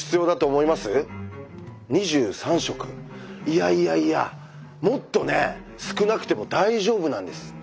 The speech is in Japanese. いやいやいやもっとね少なくても大丈夫なんです。